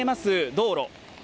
道路